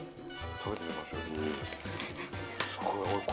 食べてみましょう。